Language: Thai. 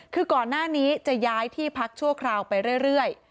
คือก่อนหน้านี้จะย้ายที่พักชั่วคราวไปเรื่อย